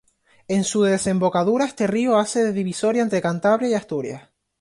En su desembocadura este río hace de divisoria entre Cantabria y Asturias.